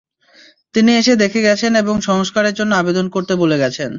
তিনি এসে দেখে গেছেন এবং সংস্কারের জন্য আবেদন করতে বলে গেছেন।